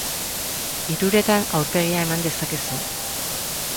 Hiruretan aurpegia eman dezakegu.